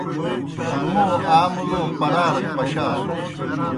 موْ آ مُلو پَرَارَک پشاسُس۔